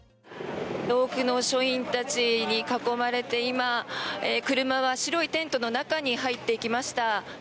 多くの署員たちに囲まれて今、車は白いテントの中に入っていきました。